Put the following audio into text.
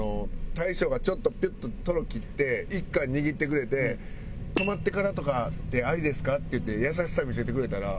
大将がちょっとピュッとトロ切って１貫握ってくれて「止まってからとかってありですか？」って言って優しさ見せてくれたら。